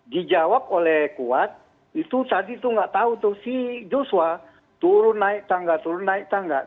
dijawab oleh kuat itu tadi itu nggak tahu tuh si joshua turun naik tangga turun naik tangga